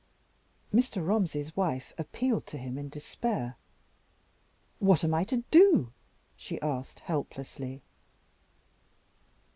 Mr. Romsey's wife appealed to him in despair. "What am I to do?" she asked, helplessly.